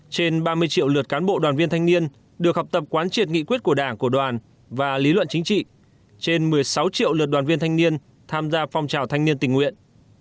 trên ba mươi triệu lượt cán bộ đoàn viên thanh niên được học tập quán triệt nghị quyết của đảng của đoàn và lý luận chính trị trên một mươi sáu triệu lượt đoàn viên thanh niên tham gia phong trào thanh niên tình nguyện